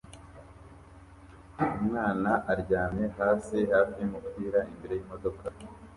Umwana aryamye hasi hafi yumupira imbere yimodoka